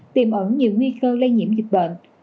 tìm ẩn nhiều nguy cơ lây nhiễm dịch bệnh